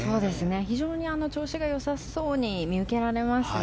非常に調子が良さそうに見受けられますね。